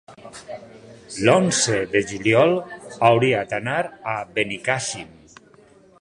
L'onze de juliol hauria d'anar a Benicàssim.